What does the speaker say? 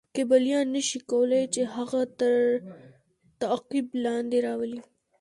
کیبلیان نه شي کولای چې هغه تر تعقیب لاندې راولي.